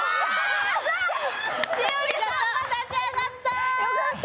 栞里さんが立ち上がったよかった！